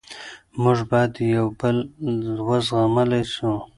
موږ باید یو بل و زغملی سو.